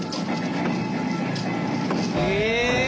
へえ！